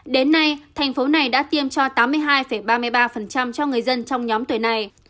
đến nay tp hcm đã tiêm cho tám mươi hai ba mươi ba cho người dân trong nhóm tuổi này